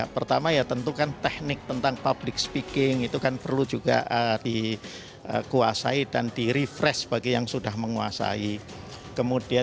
pertama ya tentu kan teknik tentang public speaking itu kan perlu juga dikuasai dan di refresh bagi yang sudah menguasai